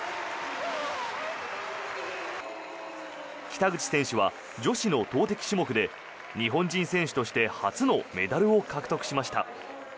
北口選手は女子の投てき種目で日本人選手として初のメダルを獲得しました。